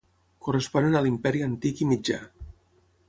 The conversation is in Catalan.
Corresponen a l'Imperi antic i mitjà.